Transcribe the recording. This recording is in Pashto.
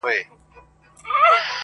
د قاضي عاید لا نور پسي زیاتېږي.